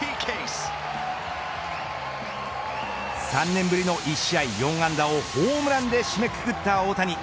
３年ぶりの１試合４安打をホームランで締めくくった大谷。